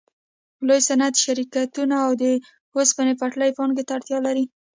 لوی صنعتي شرکتونه او د اوسپنې پټلۍ پانګې ته اړتیا لري